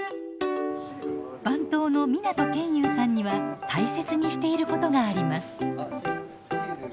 番頭の湊研雄さんには大切にしていることがあります。